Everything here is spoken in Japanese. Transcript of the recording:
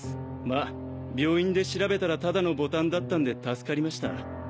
ま病院で調べたらただのボタンだったんで助かりました。